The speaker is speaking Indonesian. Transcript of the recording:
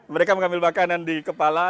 mereka mengambil makanan di kepala